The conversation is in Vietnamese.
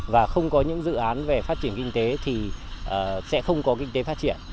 và không có những dự án về phát triển kinh tế thì sẽ không có kinh tế phát triển